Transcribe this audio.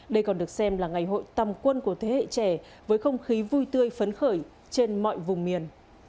đây còn được xem là ngày hội tòng quân của thế hệ trẻ với không khí vui tươi phấn khởi trên mọi vùng miền